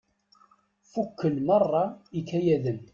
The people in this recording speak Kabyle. Fukken meṛṛa ikayaden.